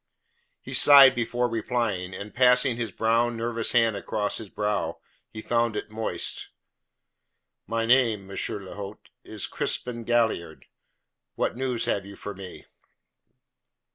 He sighed before replying, and passing his brown, nervous hand across his brow, he found it moist. "My name, M. l'hote, is Crispin Galliard. What news have you for me?"